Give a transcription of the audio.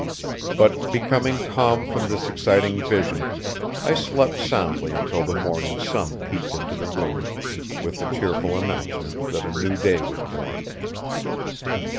But, becoming calm from this exciting vision, I slept soundly until the morning sun peeped into the room with the cheerful announcement that a new day was born.